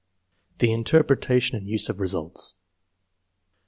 The Interpretation and use of results.